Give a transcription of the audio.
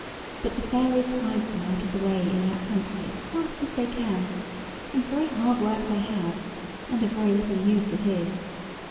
But the fairies hide them out of the way in that country as fast as they can, and very hard work they have, and of very little use it is.